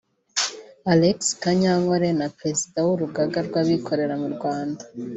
Alex Kanyankore na perezida w’Urugaga rw’Abikorera mu Rwanda